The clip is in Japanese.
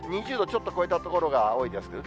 ２０度ちょっと超えた所が多いです。